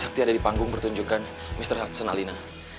sakti ada di panggung bertunjukan mr hudson alina